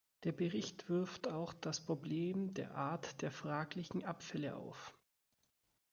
Der Bericht wirft auch das Problem der Art der fraglichen Abfälle auf.